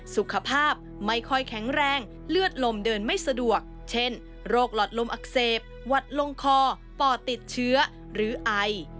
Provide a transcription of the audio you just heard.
สุขภาพไม่ค่อยแข็งแรงเลือดลมเดินไม่สะดวกเช่นโรคหลอดลมอักเสบหวัดลงคอปอดติดเชื้อหรือไอ